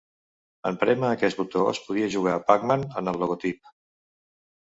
En prémer aquest botó es podia jugar Pac-Man en el logotip.